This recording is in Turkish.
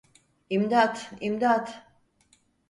İmdat, imdat!